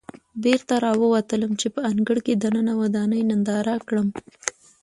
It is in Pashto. بېرته راووتلم چې په انګړ کې دننه ودانۍ ننداره کړم.